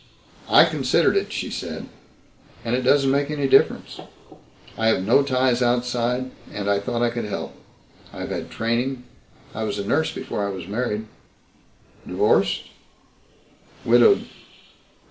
"I considered it," she said, "and it doesn't make any difference. I have no ties outside and I thought I could help. I've had training. I was a nurse before I was married." "Divorced?" "Widowed."